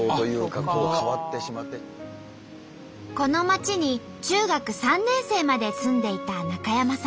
この町に中学３年生まで住んでいた中山さん。